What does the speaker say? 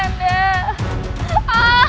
kanda tolong aku